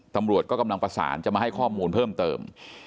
ตำรวจก็กำลังประสานจะมาให้ข้อมูลเพิ่มเติม